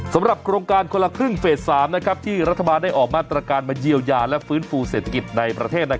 สำหรับโครงการคนละครึ่งเฟส๓ที่รัฐบาลได้ออกมาตรการมาเยียวยาและฟื้นฟูเศรษฐกิจในประเทศ